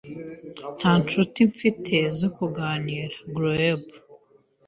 Nta nshuti mfite zo kuganira (gloeb)